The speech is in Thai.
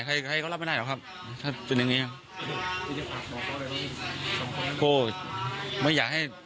ใครใครก็รับไม่ได้หรอกครับถ้าเป็นอย่างนี้ครับ